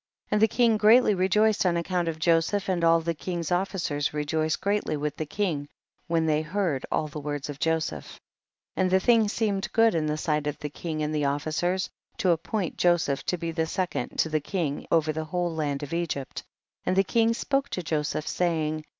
18. And the king greatly rejoiced on account of Joseph, and all the king's officers rejoiced greatly with the king when they heard all the words of Joseph. 19. And the thing seemed good in the sight of the king and the officers, to appoint Joseph to be second to the king over the whole land of Egypt, and the king spoke to Joseph, say ing' 20.